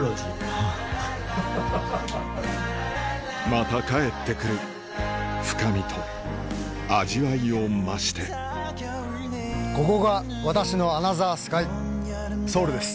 また帰って来る深みと味わいを増してここが私のアナザースカイソウルです。